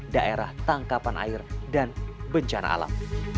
daerah tangkapan air dan bencana alam